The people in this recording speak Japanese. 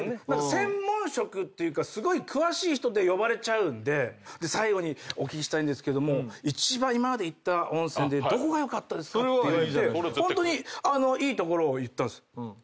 専門職っていうかすごい詳しい人で呼ばれちゃうんで「最後にお聞きしたいんですけど一番今まで行った温泉でどこが良かったですか？」って言われてホントにいい所を言ったんです。